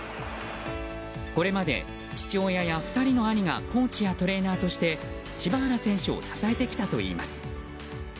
これまで、父親や２人の兄がコーチやトレーナーとして柴原選手を支えてきたといます。